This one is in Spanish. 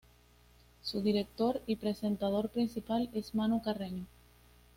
Su director y presentador principal es Manu Carreño.